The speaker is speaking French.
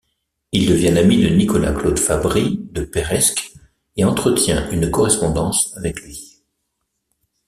Il devient l'ami de Nicolas-Claude Fabri de Peiresc et entretient une correspondance avec lui.